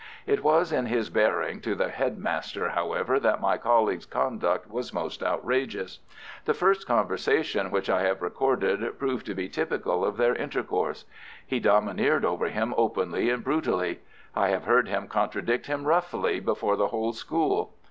It was in his bearing to the head master, however, that my colleague's conduct was most outrageous. The first conversation which I have recorded proved to be typical of their intercourse. He domineered over him openly and brutally. I have heard him contradict him roughly before the whole school.